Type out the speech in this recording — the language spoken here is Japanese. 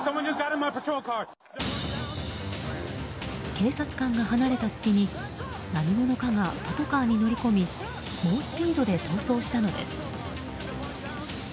警察官が離れた隙に何者かがパトカーに乗り込み猛スピードで逃走したのです。